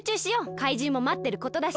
かいじんもまってることだし。